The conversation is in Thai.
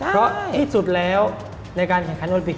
เพราะที่สุดแล้วในการแข่งขันโอลิปิก